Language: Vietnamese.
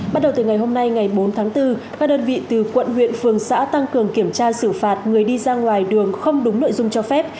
bắt đầu từ ngày hôm nay ngày bốn tháng bốn các đơn vị từ quận huyện phường xã tăng cường kiểm tra xử phạt người đi ra ngoài đường không đúng nội dung cho phép